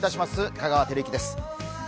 香川照之です。